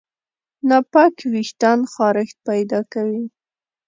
ناپاک وېښتيان خارښت پیدا کوي.